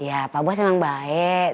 ya pak bos emang baik